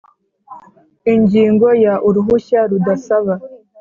Ingingo ya uruhushya rudasaba